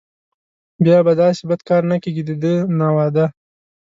بیا به داسې بد کار نه کېږي دده نه وعده.